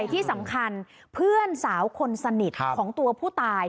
ที่สำคัญเพื่อนสาวคนสนิทของตัวผู้ตาย